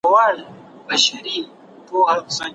ټولنپوهان د ټولنې ډاکټران ګڼل کیږي.